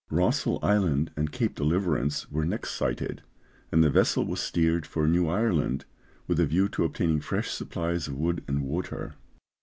Rossel Island and Cape Deliverance were next sighted; and the vessel was steered for New Ireland, with a view to obtaining fresh supplies of wood and water.